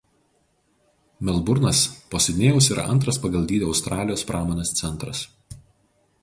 Melburnas po Sidnėjaus yra antras pagal dydį Australijos pramonės centras.